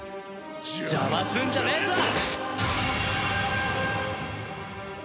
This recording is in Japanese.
邪魔すんじゃねえぞ！